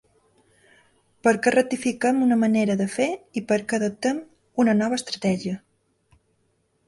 Perquè rectifiquem una manera de fer i perquè adoptem una nova estratègia.